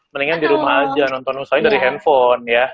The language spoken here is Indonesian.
mendingan di rumah aja nonton nusanya dari handphone ya